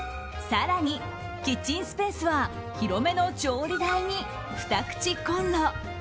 更に、キッチンスペースは広めの調理台に２口コンロ。